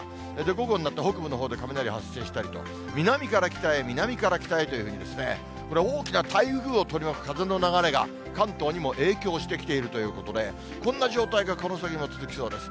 午後になって、北部のほうで雷発生したりと、南から北へ、南から北へというふうにですね、これ大きな台風を取り巻く風の流れが、関東にも影響してきているということで、こんな状態がこの先も続きそうです。